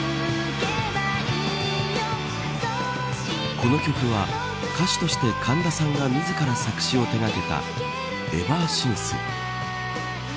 この曲は歌手として神田さんが自ら作詞を手がけたｅｖｅｒｓｉｎｃｅ。